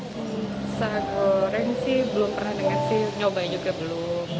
saat orang sih belum pernah dengar sih nyoba juga belum